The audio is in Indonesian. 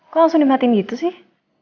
kok langsung diberatin gitu sih